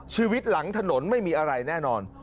ชีวิตหลังถนนไม่มีอะไรแน่นอน